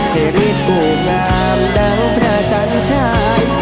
ให้ฤทธิ์ปูงอามดังพระจันทราย